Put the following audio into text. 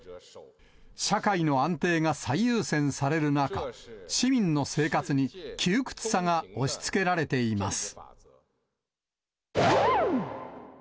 社会の安定が最優先される中、市民の生活に窮屈さが押しつけられています。